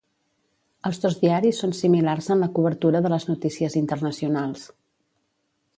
Els dos diaris són similars en la cobertura de les notícies internacionals.